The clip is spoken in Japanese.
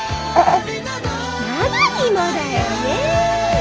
ママにもだよね？